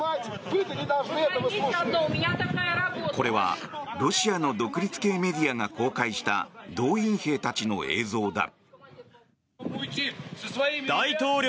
これは、ロシアの独立系メディアが公開した動員兵たちの映像だ。